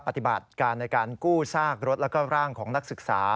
ปฏิบัติการในการกู้ซากรถแล้วก็ร่างของนักศึกษา